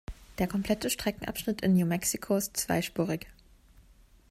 Der komplette Streckenabschnitt in New Mexico ist zweispurig.